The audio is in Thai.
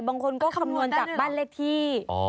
บางคนก็คำนวณจากบ้านเลขที่